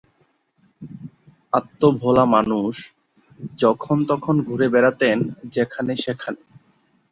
আত্মভোলা মানুষ, যখন তখন ঘুরে বেড়াতেন যেখানে সেখানে।